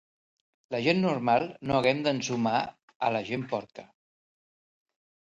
La gent normal no haguem d'ensumar a la gent porca.